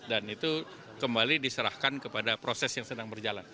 itu kembali diserahkan kepada proses yang sedang berjalan